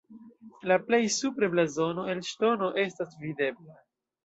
La plej supre blazono el ŝtono estas videbla.